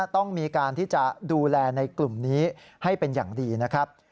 ต้องมีการที่จะดูแลในกลุ่มนี้ให้เป็นอย่างดีนะครับ